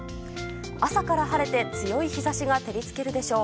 朝から晴れて強い日差しが照り付けるでしょう。